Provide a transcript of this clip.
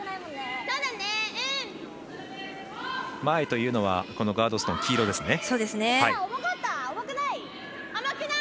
前というのはガードストーン黄色ですね。